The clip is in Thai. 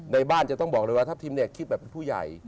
ในบ้านจะต้องบอกเลยว่าทัพทิมเนี่ยคิดแบบผู้ใหญ่